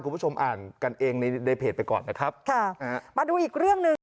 คุณผู้ชมอ่านกันเองในในเพจไปก่อนนะครับค่ะอ่ามาดูอีกเรื่องหนึ่ง